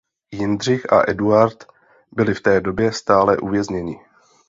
Jindřich a Eduard byli v té době stále uvězněni.